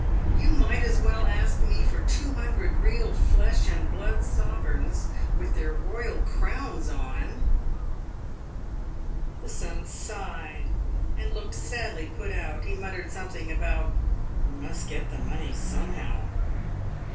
Tou might as well ask me for two hundred real flesh and blood Sovereigns with their royal crowns on!" The son sighed, and looked sadly put out. He muttered something about "he must get the money somehow."